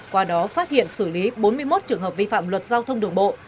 qua đó phát hiện xử lý bốn mươi một trường hợp vi phạm luật giao thông đường bộ